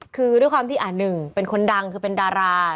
คือด้วยความที่หนึ่งเป็นคนดังคือเป็นดารา